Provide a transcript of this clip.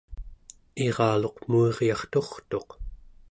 iraluq muiryarturtuq